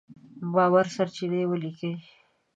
باوري سرچينې وليکئ!.